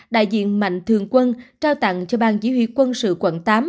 đại diện mạnh thường quân trao tặng cho bang chỉ huy quân sự quận tám